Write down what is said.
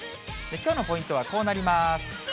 きょうのポイントはこうなります。